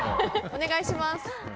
お願いします。